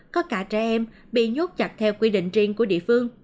có cả trẻ em bị nhốt chặt theo quy định riêng của địa phương